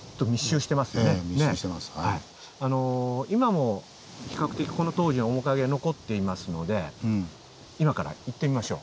今も比較的この当時の面影が残っていますので今から行ってみましょう。